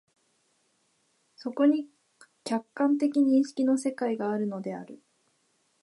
そこに客観的認識の世界があるのである。